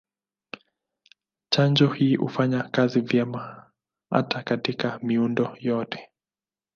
Chanjo hii hufanya kazi vyema hata katika miundo yote.